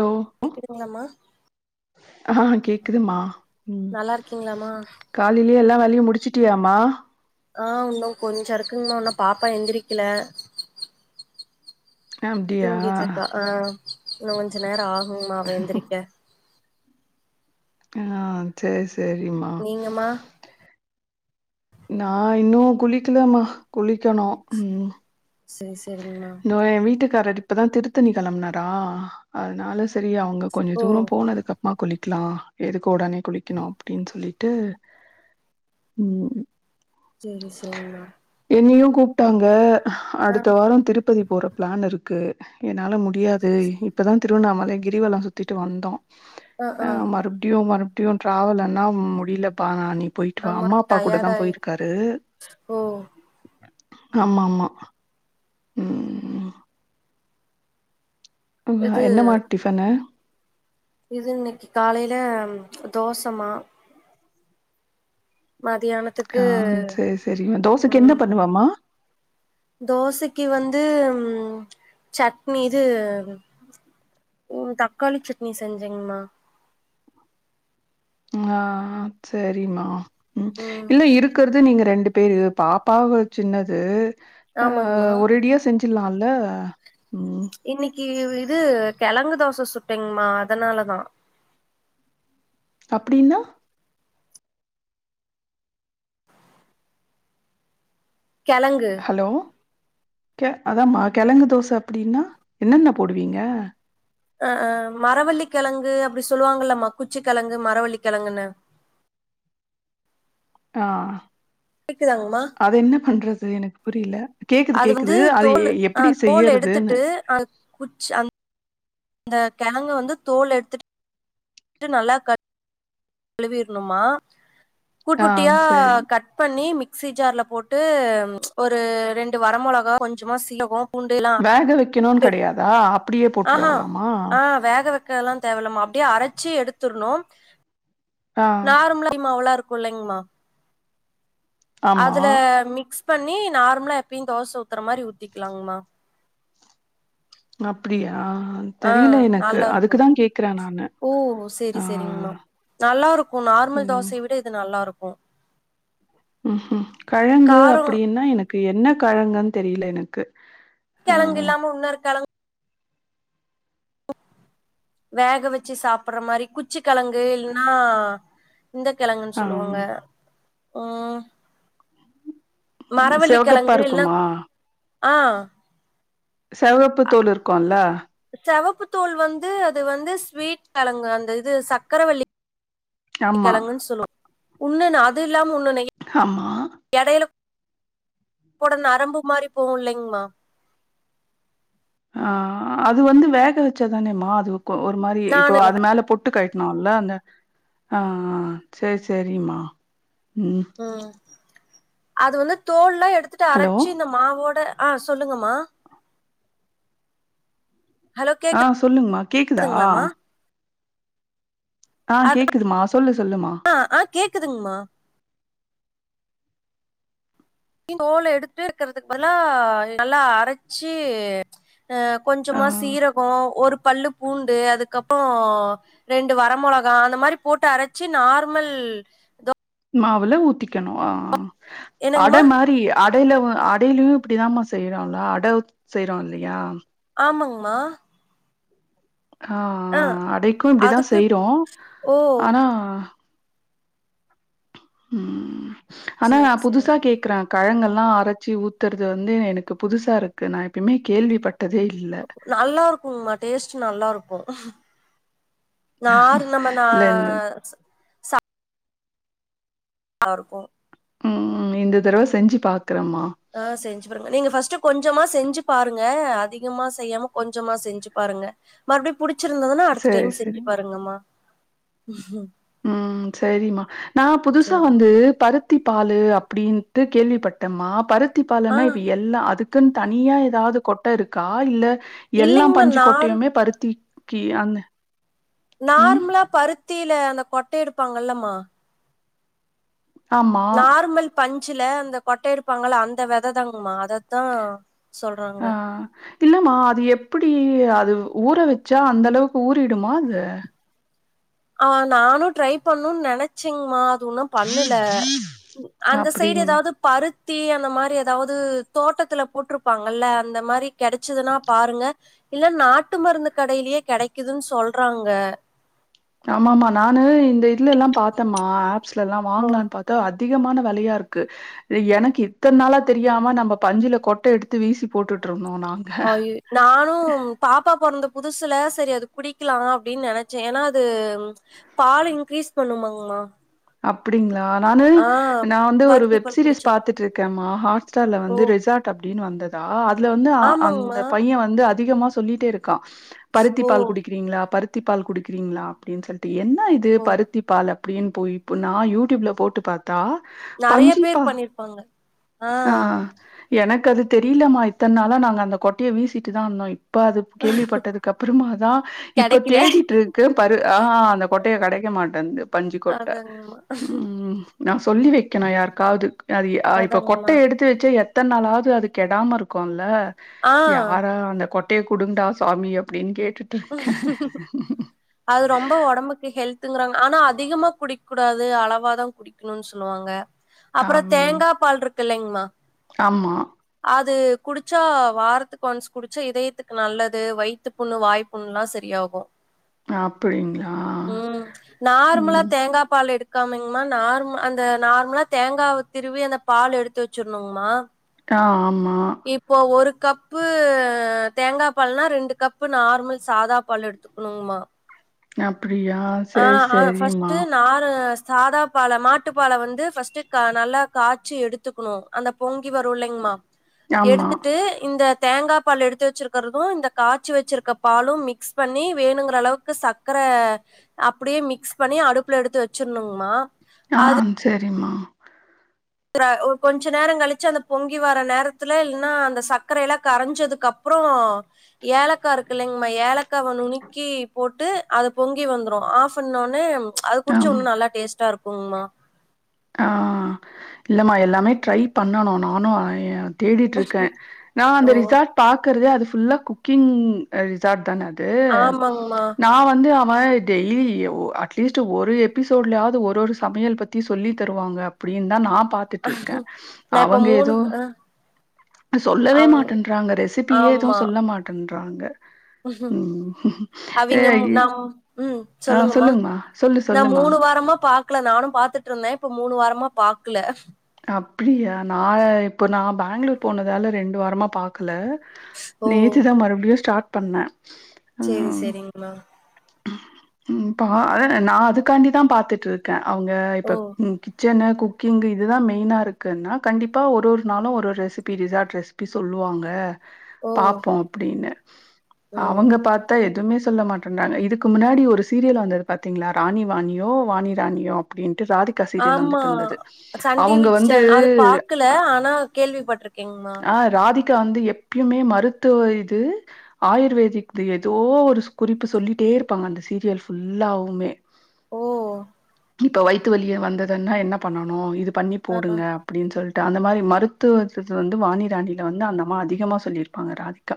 ஓ கேக்குதுங்ளாமா ஆ கேக்குதுமா ம் நல்லா இருக்கீங்களாமா காலில்யே எல்லா வேலையு முடிச்சிட்டியாமா ஆ உன்னு கொஞ்சோ இருக்குங்மா உன்னு பாப்பா எந்திரிக்கல அப்டியா தூங்கிட்ருக்கா ஆ இன்னு கொஞ்ச நேர ஆகு மா அவ எந்திரிக்க ஆ சேரி சேரிம்மா நீங்கம்மா நா இன்னு குளிக்கலமா குளிக்கணு ம் சரி சரிங்மா நோ எ வீட்டுக்காரர் இப்பதா திருத்தணி கெளம்புனாரா அதனால சரியா அவங்க கொஞ்ச ஓ தூர போனதுக்கப் மா குளிக்லா எதுக்கு ஒடனே குளிக்கணு அப்டின் சொல்லிட்டு ம் செரி செரிங்னா என்னையு கூப்டாங்க ஆ அடுத்த வாரோ திருப்பதி போற ப்ளான் இருக்கு என்னால முட் முடியாது இப்பதா திருவண்ணாமலை கிரிவல சுத்திட்டு வந்தோ ஆ அ ஆ மறுப்டியு மறுப் டியு டிரவல்லன்னா முடிலப்பா நா நீ போயிட்டு வா ஆமா அம்மா அப்பா கூட தா டயர்ட் ஆயிட்டு போயிர்க்கார் து ஓ ஆமா ஆமா ம் ஆ இது என்ன மா டிஃபனு இது இன்னைக்கு காலையில தோசமா மதியான ஆ சேரி சேரி தோசைக்கு என்ன பண்ணுவமா தோசைக்கு வந்து சட்னி இது ம் தக்காளி சட்னி செஞ்சேங்மா ஆ செரிமா ம் இல்ல இருக்கற நீங்க ரெண்டு பேரு பாப்பாவ சின்னது அ ஆமாங்கம்மா ஒரேடியா செஞ் சில்லால்ல ம் இன்னிக்கு இது கெழங்கு தோச சுட்டேங்கமா அதனாலதா அப்டின்னா கெழங்கு ஹலோ கெ அதாம்மா கெழங்கு தோச அப்டின்னா என்னென்ன போடுவீங்க அ அ மரவள்ளி கெழங்கு அப்டி சொல்லுவாங்குல மக்குச்சி கெழங்கு மரவள்ளிக்கெழங்குன்னு ஆ கேக்குதாங்ம்மா அது என்ன பண்றது எனக் புரில கேக்குது அது வந்து கேக்குது அது எ தோல் ஆ எப்பிடி தோல் செய்யறதூன்னு எடுத்துட்டு குச் அந் த கெழங்க வந்து தோல் எடுத்துட் ட்டு நல்லா க கழுவீர்ணுமா குட் ஆ குட்டியா சரி. கட் பண்ணி மிக் ஸி ஜார்ல போட்டு ஒரு ரெண்டு வர மொளகா கொஞ்சுமா சீலகொ பூண்டுலா வேக வைக்கணும்னு க கிடையாதா? அப்படியே ஆஹா போட்டுறவலாமா? ஆ வேக வ க்கலா தேவல்லம்மா அப்டியே அரச்சு எடுத்துர்ணு ஆ, நார்ம்லா லி மாவுளா இருக்கு இல்லைங்ம்மா ஆமா. அதுல மிக்ஸ் பண்ணி நார்மலா எப்பயு தோச ஊத்துற மாரி ஊத்திக்லாங்மா அப்டியா ஆ தெரில எனக்கு நல்லா இருக்கு அதுக்குதா கேக்குற நானு ஓ சேரி ஆ, சேரிங்ம்மா நல்லா இருக்கு நார்மல் ம். தோசய விட இது நல்லா இரு க்கு ம்ஹும் கழங்கு அப்டினா எனக்கு என்ன கழங்குன் தெரில எனக்கு ஆ, கெழங்கில்லாம உன்னொரு கெழங் வேக வச்சு சாப்புற மாரி குச்சி கெழங்கு இல்னா இந்த கெழங்குன் ஆம். சொல்வாங்க ம் சிவகப்பா மரவள்ளிகெழங்கு இல்னா இருக்குமா? ஆ செவப்பு தோல் இருக்கூல செவப்பு தோல் வந்து அது வந்து ஸ்வீட் கெழங்கு அந்த இது சக்கரவல்லி ஆமா, கெழங்குன் சொல்லு உன்னோன்னு அது இல்லாம் உன்னோன்னு ஆமா எடைல கூட நரம்பு மாரி போவுலைங்மா ஆ அது வந்து வேக வச்சாதானேமா அது ஒரு மாரி இப்போ நானு அது மேல போ ட்டு கழ்ட்டுனூல அந்த ஆ சேரி சேரிமா ம் ம் அது வந்து தோல்லா எடுத்துட்டு ஹலோ! அரச்சு இந்த மாவோட ஆ சொல்லுங்கமா ஹலோ ஆ சொல்லுங்மா கேக்குதா கேக்குதுங்களாமா ஆ கேக்குதுமா சொல்லு சொல்லுமா கேக்குதுங்மா தோல எடுத்து இருக்குறதுக்கு பதிலா நல்லா அரச்சு அ ஆ கொஞ்சமா சீரகோ ஒரு பல்லு பூண்டு அதுக்கப்றோ ரெண்டு வர மொளகா அந்த மாரி போட்டு அரச்சு நார்மல் மாவுல ஊத்திக்கணு ஆ அட என்னங்கமா மாரி அடைலவு அடைல்யு இப்டிதாமா செய்றோல அட ஊத் செய்றோ இல்லையா ஆமங்மா ஆ ஆ அடைக்கு இப்டிதா அதுக்கு செய்றோ ஓ ஆனா ம் ஆனா சேரி புதுசா சேரிங்கமா கேக்குற கழங்கள்லா அரச்சு ஊத்தறது வந்து எனக்கு புதுசா இருக்கு நான் எப்பய்மே கேள்விப்பட் டதே இல்ல நல்லா இருக்குங்மா டேஸ்ட்டு நல்லா இருக்கு நாரு நம்ம நா இல்ல இந்த நாருக்கு ம் இந்த தடவ செஞ்சு பாக்குறம்மா ஆ செஞ்சு பாருங்க நீங்க ஃபஸ்ட்டு கொஞ்சமா செஞ்சு பாருங்க அதிகமா செய்யாம கொஞ்சமா செஞ்சு பாருங்க மற்ப்டியு புடிச்சிருந்ததுன்னா அடுத்த சரி டைம் செஞ்சு சரிங்க பாருங்கம்மா ம் சேரிமா நா புதுசா சரிம்மா. வந்து பரு த்தி பாலு அப்புடீன்ட்டு கேள்விப்பட்டம்மா பருத்தி ஆ பாலுன்னா இப்ப எ ல்லா அதுக்குன் தனியா எதாவ்து கொட்ட இருக்கா இல்ல எல்லாம் இல்லைங்கம்மா பஞ்சு நார் கொட்டையுமே பருத்தி க்கி அந்த ம் நார்மலா பருத்தியில அந்த கொட்ட எடுப்பாங்கல்லமா ஆமா நார்மல் பஞ்சுல அந்த கொட்ட எடுப்பாங்கள அந்த வெத தாங்கம்மா அத ஆ இல்லமா அது எப்பிடி அது ஊற வெச்சா அந்தளவுக் ஊறிடுமா அது ஆ நானு ட்ரை பண்ணுன் நெனச்செங்கமா அது உன்னு பண்ணல அந்த சைடு அப்டிங்க எதாவ்து பருத்தி அந்த மாரி எதாவது தோட்டத்துல போட்டுருப்பாங்கல்ல அந்த மாரி கெடச்சுதுனா பாருங்க இல்ல நாட்டு மருந்து கடையிலியே கெடைக்குதுன் சொல்றாங்க ஆமாம்மா நானு இந்த இதுல எல்லா பாத்தேம்மா ஆப்ஸ்ல எல்லா ஓ, வாங்கலான் பாத் தா அதிகமான வெலயாருக்கு எனக்கு இத்தன் நாளா தெரியாம நம்ப பஞ்சுல கொட்ட எடுத்து வீசி போட்டுட்ருந்தோ நாங் அய்யி நானு பாப்பா பொறந்த புதுசுல செரி அது குடிக்கலா அப்டின் நெனச்சே ஏனா அது பாலு இன்க்ரீஸ் பண்ணுமாங்மா அப்படிங்ளா நானு ஆ நா வந்து ஒரு பருத்தி வெப் பால் சீரியஸ் குடிச்சா பாத்துட்ருக்கேமா ஹாட் ஸ்டார்ல ஓ வந்து ரிசாட் அப்டினு வந்ததா அதுல வந்து ஆ ஆமாங்மா அந்த பைய வந்து அதிகமா சொல்லிட்டே இரு க்கா பருத்தி ஓ பால் குடிக்கிறீங்களா பருத்தி பால் குடிக்கிறீங்ளா அப்டின் சொல்ட்டு என் ன இது ஓ பருத்தி பால் அப்புடின் போய் இப்ப நா யூடியூப்ல போட்டு பாத் தா நெறைய பேர் பஞ்சிப்பா பண்ணிருப்பாங்க ஆ எனக்கு அது தெரிலமா இத்தன் நாளா நாங்க அந்த கொட்டிய வீசிட்டு தா இந்தோ இப்ப அது கேள்விப்பட்டதுக்கு அப்புறமா தா இப்ப கெடைக்கல தேடிட்ருக் கே பரு ஆ அந்த கொட்டையே கெடைக்க மாட்டேன்து பஞ்சு கொட்ட அதாங்மா ம் நா சொல்லி வெக்கணு யாருக்காவ்து அது அ இப்ப அதாங்கமா கொட்டை எடுத்து வெச்சா எத்தன் நாளாவ்து அது கெடாம இருக்குல ஆ யாரா அந்த கொட் டைய குடுங்டா சாமி அப்பிடின் கேட்டுட்ருக்கே அது ரொம்ப ஒடம்புக்கு ஹெல்துங்றாங்க ஆனா அதிகமா குடிக் கூடாது அளவா தா குடி க்கணுன் சொல்லுவாங்க அப்பற அம் தேங்கா பால் ருக்கு இல்லைங்மா ஆமா அது குடிச்சா வாரத்துக் ஒன்ஸ் குடிச்சா இதயத்துக்கு நல்லது வைத்து புண்ணு வாய் புண்லா செரியாகு அப்டிங்களா ம் நார்மலா ம் தேங்கா பால் எடுத் கம்மிங்மா நார் அந்த நார்மலா தேங்காவ திருவி அந்த பால் எடுத்து வெச்சிர்ணுங்மா ஆ ஆமா இப்போ ஒரு கப்பு தேங்கா பால்னா ரெண்டு கப்பு நார்மல் சாதா பால் எடுத் கனுங்மா அப்படியா ஆ ஆ ஃபஸ்ட்டு நாறு சாதாப்பால மாட்டுப்பால வந்து ஃபஸ்ட்டு கா நல்லா காய்ச்சி எடுத்துக்கணு அந்த பொங்கி வரு இல்லைங்மா ஆமா எடுத்துட்டு இந்த தேங்க பால் எடுத்து வச்சிருக்கிறது இந்த காய்ச்சி வச்சிருக்க பாலு மிக்ஸ் பண்ணி வேணுங்கிற அளவுக்கு சக் க்கர அப்புடியே மிக்ஸ் பண்ணி அடுப்புல எடுத்து வச்சிருணுங்மா ஆஹ் செரிம்மா த்திற ஒரு கொஞ்ச நேர கழிச்சு அந்த பொங்கி வர்ற நேரத்துல இல்லன்னா அந்த சர்க்கரயெல்லா கரஞ்சதுக் கப் ப்றோ ஏலக்கா இருக்கு இல்லைங்மா ஏலக்காவ நுனிக்கி போட்டு அத பொங்கி வந்துரு ஆஃப் பண்ணோணே அது குடிச்சு அம் உன்னு நல்லா டேஸ்ட்டா இருக்குங்மா ஆ இல்ல மா எல்லாமே ட்ரை பண்ணணு நானு அய்யந் தேடிட்டு இருக்கே நா ஓ அந்த ரிசார்ட் பாக்கறதே அது ஃபுல்லா குக்கிங் அ ரிசார்ட் தான அது ஆமாங்மா நா வந்து அப் இது மாறி டெய்லி யோ அட்லீஸ்ட் ஒரு எபிசோட்லாவது ஒரு ஒரு சமையல் பத்தி சொல்லி தருவாங்க அப்டினு தா நா பாத்துட்டு இருக்கே நா இப்ப அவுங்க மூணு ஏதோ அ சொல்லவே அவ் மாட்டேன்றாங்க ரெசிபியே ஆமா எதும் சொல்ல மாட்டேன்றாங்க ம் ஏ அவிங்க மு ஐய்யி நம் ம் ஆ சொல்லுங்கம்மா சொல்லுங்மா நா மூணு வாரமா பாக்கல நானு பாத்துட்டுருந்தே இப்ப மூணு வாரமா பாக்ல அப்டியா நா இப்போ நா பேங்களூர் போனதால ரெண்டு வாரமா பாக்கல ஓ நேத்து தா மறுபடியு ஸ்டார்ட் பண்ணே சேரி ம் சேரிங் மா ம் பாலே நா அதுக்காண்டித பாத்துட்டுருக்கே அவுங்க இப்ப ஓ ம் கிச்சனு குக்கிங்கு இதுதா மெயினா இருக்குதுனா கண்டிப்பா ஒரு ஒரு நாளு ஒரு ஒரு ரெசிபி ரிசார்ட் ரெஸ் பி சொல்லுவாங்க ஓ பாப்போ அப்புடினு ஓ அவுங்க பாத்தா எதுமே சொல்ல மாட் ட்றுந்தாங்க இதுக்கு முன்னாடி ஒரு சீரியல் வந்தது பாத்தீங்களா ராணி வாணியோ வாணி ராணியோ அப்புடின்ட்டு ராதி கா சீரியல் ஆமா வந்துட்டு இருந்தது சன் டிவி அவுங்க வந்து சேனல் அது பாக்கல அ ஆனா கேள்விப்பட்டிருக்கேங்மா ஆ ராதிகா வந்து எப்பயுமே மருத்துவ இது ஆயுர்வேதிக்து ஏதோ ஒரு குறிப்பு சொல்லிட்டே இருப்பாங்க அந்த சீரியல் ஃபுல்லாவுமே ஓ இப்போ வயித்து வலியே வந்ததுனா என்ன பண்ணணு இது பண்ணி ஆ போடுங்க அப்புடின் சொல்ட்டு அந்த மாரி மருத்துவ இதுது வந்து வாணிராணில வந்து அந்த அம்மா அதிகமா சொல்லிருப்பாங்க ராதி க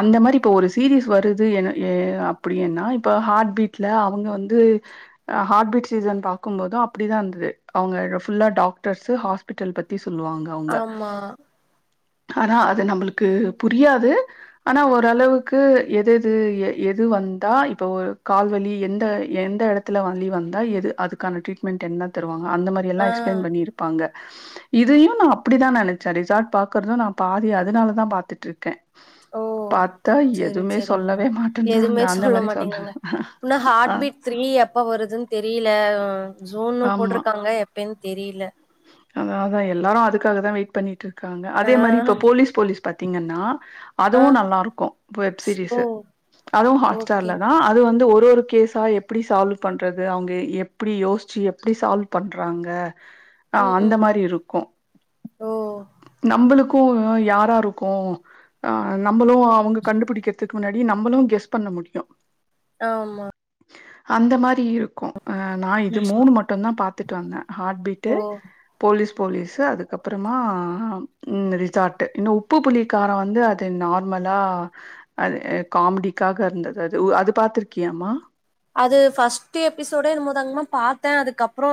அந்த மாரி இப்ப ஒரு சீரீஸ் வருது என ஏ அப்புடினா இப்ப ஹார்ட்பீட்ல அவுங்க வந்து அ ஹார்ட்பீட் சீசன் பாக்கு போது அப்புடிதா இருந்தது அவுங்க ஃபுல்லா டாக்டர்சு ஹாஸ்பிட்டல் பத்தி சொல்லுவாங் அவுங்க ஆமா ஆனா அது நம்மளுக்கு புரியாது ஆனா ஓரளவுக்கு எது எது ஏ எது வந்தா இப்ப ஒரு கால்வலி எந்த எந்த எடத்துல வலி வந்தா எது அதுக்கான ட்ரீட் மென்ட் என்ன தருவாங்க அந்த ஆ மாரியெல்ல எஸ்பிளைன் பண்ணி இருப்பாங்க இதையு நா அப்புடித நெனச்சே ரிசார்ட் பாக்குறது நா பாதி அதுனாலத பாத்துட்டுருக்கே ஓ பாத்தா எதுமே சொல்லவே மாட் எதுமே சொல்ல மாட்டேகிறாங்க இந்த ஆ ஹார்ட்பீட் த்ரீ எப்ப வருதுன் தெரியலே உ ஜூன்னு போட்ருக்காங்க எப்பேன்னு தெரியேல அத அதா எல்லாரு அதுக்காகத வெயிட் பண்ணிட்டு இருக்காங்க ஆ அதே மாரி இப்ப போலீஸ் போலீஸ் பாத்தீங்கன்னா ஆ அதுவு நல்லா இருக்கு வெப் ஓ சீரிஸ்சு அதுவு ஹாட் ஓகே ஸ்டார்ல தா அது வந்து ஒரு ஒரு கேஸ் பா எப்டி சால்வ் பண்றது அவுங்க எ எப்டி யோசிச்சு எப்டி சால்வ் பண்றாங்க ஆ ம் அந்த ம் மாரி இருக்கு ஓ நம்பளுக்கு யாரா இருக்கு ஆ நம்பளு அவுங்க கண்டுபுடிக்கிறதுக்கு முன்னாடி நம்பளு கெஸ் பண்ண முடியு ஆமா அந்த மாரி இருக்கு அ நா இது மூணு மட்டுந்தா பாத்துட்டு வந்தே ஹார்ட்பீட் டு ஓ போலீஸ் போலீஸு அதுக்கப்பறமா அ ம் ரிசார்ட்டு இன்னு உப்பு புளி கார வந்து அது நார்மலா அது அ காமெடிக்காக இருந்தது அது உ அது பாத்திருக்கியாமா அது ஃபஸ்ட்டு எபிசோடே என்னமோ தாங்கம்மா பாத்தே அதுக்கப்றோ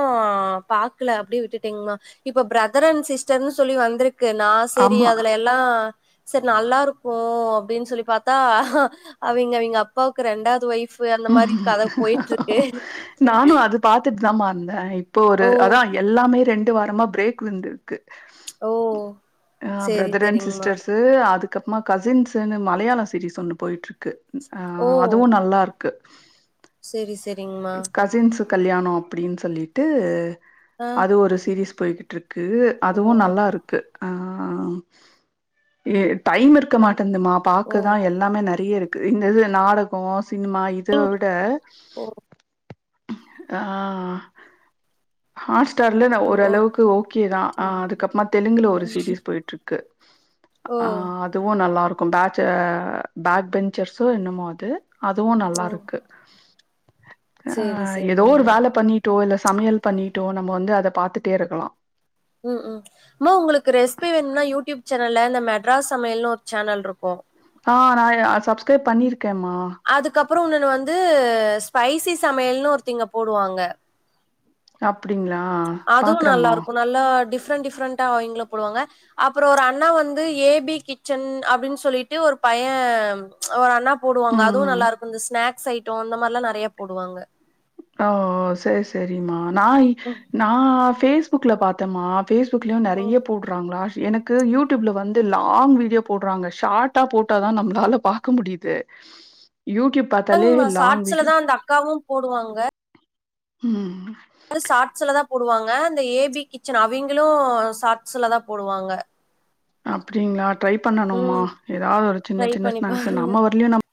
பாக்ல அப்டியே விட்டுட்டேங்கம்மா இப்ப ப்ரதர் அண்ட் சிஸ்டர்ன்னு சொல்லி வந்திருக்கு நா சேரி ஆமா அதுலெல்லா செரி நல்லாருக்கு அப்டின் சொல்லி பாத்தா அவங்கெ அவிங்க அப்பாவுக்கு ரெண்டாவ்து ஒய்ஃப் பு அந்த மாரி கத போயிட்டு இருக்கு நானு அத் து பாத்துட்டுதாமா இருந்தே இப்போ ஒரு ஓ அதா எல்லாமே ரெண்டு வாரமா பிரேக் விழுந்துருக்கு ஓ ஆ சேரி ப்ரதர் அண்ட் சேரிங்மா சிஸ்டர்ஸ் உ அதுக்கப்பறமா கசின்ஸ்சின்னு மலையாள சீீரிஸ் ஒன்னு போயிட்ருக்கு ஆ அதுவு நல்லாருக் கு செரி செரிங்மா கசின்ஸு கல்யாண அப்டின் சொல்லிட்டு ஆ அது ஒரு சீரீஸ் போய்கிட்ருக்கு ஓ அதுவு நல்லா இருக்கு ஆ ஏ டைம் இருக்க மாட்டின்துமா ஓ பாக்கதா எல்லாமே நெறையா இருக்கு இந்த இது நாடக சினிமா இத விட ஓ ஆ ஹாட் ஸ்டார்ல நா ஓரளவுக்கு ஓகே தா ஆ சேரி அதுக்கப்பறமா தெலுங்குல ஓ ஒரு சீரீஸ் போயிட்ருக்கு ஓ ஆ அதுவு நல்லாருக்கு பேச்ச பேக் பெஞ்ச்சர்ஸோ என்னமோ அது அதுவு ஓ நல்லாருக்கு ஆ சேரி எதோ ஒரு சேரிங்மா வேல பண்ணிட்டோ இல்ல சமையல் பண்ணிட்டோ நம்ம வந்து அத பாத்துட்டே இருக்கலா ம் ம் அம்மா உங்களுக்கு ரெசிபி வேணும்னா யூடியூப் சேனல்ல இந்த மெட்ராஸ் சமையல்னு ஒரு சேனல் இருக்கு ஆ நான இத ஆ சப்ஸ்கிரைப் பண்ணிருக்கேமா அதுக்கப்பற உன்னொன்னு வந்து ஸ்பைசி சமையல்னு ஒருத்திங்க போடுவாங்க அப்டிங்ளா அதுவு நல்லா இருக்கு நல்லா டிஃப்ரெண்ட் டிஃப்ரெண்ட்டா அவங்கெளு போடுவாங்க அப்பற ஒரு அண்ணா வந்து ஏ பி கிச்சன் அப்டின் சொல்லிட்டு ஒரு பைய ஒரு அண்ணா போடுவாங்க ம். அதுவு நல்லா இருக்கு இந்த ஸ்நாக்ஸ் ஐட்ட இந்த மாரிலா நெறையா போடுவாங்க ஓ செரி செரிம்மா நாயி நா ஃபேஸ்புக்ல பாத்தேம்மா ஃபேஸ்புக்லயு நெறையா போடு றாங்ளா எனக்கு யூட்யூப்ல வந்து லாங் வீடியோ போட்றாங்க ஷார்ட்டா போட்ட தா நம்மளால பாக் க்க முடியுது யூட்யூப் இல்லங்ம்மா சாட்ஸுலதா அந்த அக்காவு போடுவாங்க ம் சாட்ஸுல தா போடுவாங்க அந்த ஏ பி கிச்சன் அவிங்களு சாட்ஸுல தா போடுவாங்க அப்டிங்ளா ட்ரை பண்ணணுமா ம் எதாவ்து ஒரு சின்ன ட்ரை சின்ன பண்ணி பா ஸ்நாக்ஸு நம்ம வர்லயு நம்ம